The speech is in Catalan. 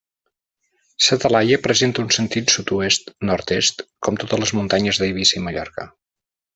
Sa Talaia presenta un sentit sud-oest nord-est, com totes les muntanyes d'Eivissa i Mallorca.